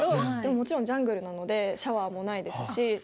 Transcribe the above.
もちろんジャングルなのでシャワーもないですし。